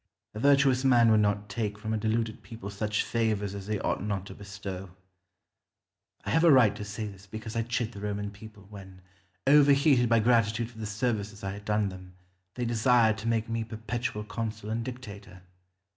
A virtuous man would not take from a deluded people such favours as they ought not to bestow. I have a right to say this because I chid the Roman people, when, overheated by gratitude for the services I had done them, they desired to make me perpetual consul and dictator.